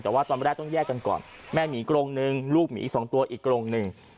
แต่ว่าตอนแรกต้องแยกกันก่อนแม่หมีกรงหนึ่งลูกหมีอีก๒ตัวอีกกรงหนึ่ง